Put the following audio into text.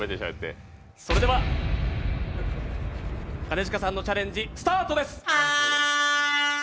それでは、兼近さんのチャレンジスタートです。